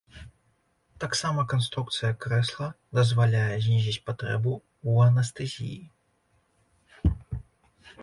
Таксама канструкцыя крэсла дазваляе знізіць патрэбу ў анестэзіі.